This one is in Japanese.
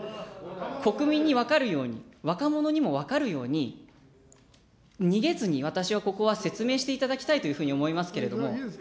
国民に分かるように、若者にも分かるように、逃げずに私はここは説明していただきたいというふうに思いますけれども。